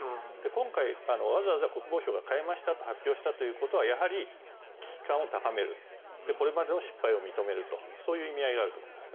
今回、わざわざ国防省が代えましたと発表したということは危機感を高めるこれまでの失敗を認めるという意味合いがあると思います。